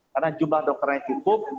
karena jumlah dokternya cukup